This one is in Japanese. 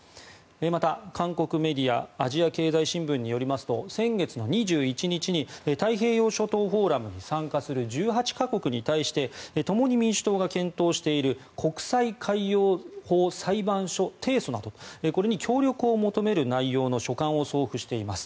また、韓国メディアアジア経済新聞によりますと先月２１日に太平洋諸島フォーラムに参加する１８か国に対して共に民主党が検討している国際海洋法裁判所提訴などこれに協力を求める内容の書簡を送付しています。